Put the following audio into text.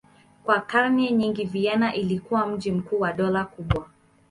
Kwa karne nyingi Vienna ilikuwa mji mkuu wa dola kubwa.